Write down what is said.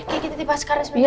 kiki titi paskara sebenarnya